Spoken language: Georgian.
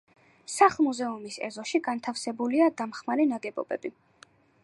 სახლ-მუზეუმის ეზოში განთავსებულია დამხმარე ნაგებობები.